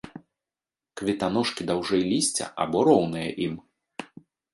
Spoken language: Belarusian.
Кветаножкі даўжэй лісця або роўныя ім.